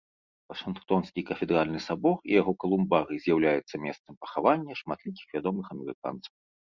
Вашынгтонскі кафедральны сабор і яго калумбарый з'яўляецца месцам пахавання шматлікіх вядомых амерыканцаў.